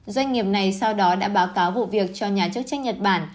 doanh nghiệp này sau đó đã báo cáo vụ việc cho nhà chức trách nhật bản